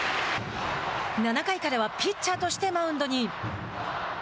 ７回からはピッチャーとしてマウンドに。